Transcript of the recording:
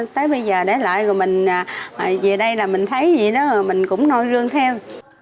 tới bây giờ để lại rồi mình về đây là mình thấy vậy đó mình cũng nôi rương theo